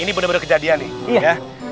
ini bener bener kejadian nih